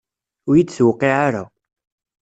Ur yi-d-tewqiɛ ara.